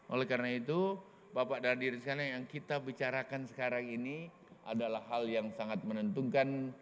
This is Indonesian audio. oleh karena itu bapak dan diri sekarang yang kita bicarakan sekarang ini adalah hal yang sangat menentukan